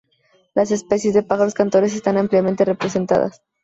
Las especies de pájaros cantores están ampliamente representadas.